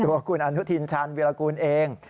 ตัวคุณอนุทินชาญวิรากูลเอง